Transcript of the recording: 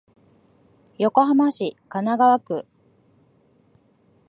横浜市神奈川区